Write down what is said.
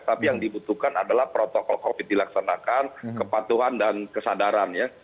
tapi yang dibutuhkan adalah protokol covid dilaksanakan kepatuhan dan kesadaran ya